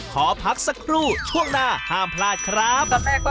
ขอพักสักครู่ช่วงหน้าห้ามพลาดครับ